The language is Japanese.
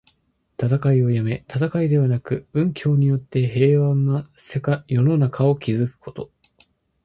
戦いをやめ、戦いではなく、文教によって平穏な世の中を築くこと。